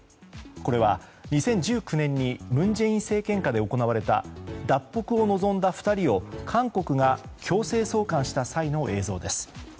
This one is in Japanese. これは２０１９年に文在寅政権下で行われた脱北を望んだ２人を韓国が強制送還した際の映像です。